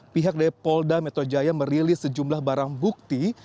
pihak dari pol depok jaya merilis sejumlah barang bukti